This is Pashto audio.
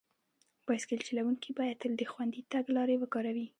بایسکل چلونکي باید تل د خوندي تګ لارې وکاروي.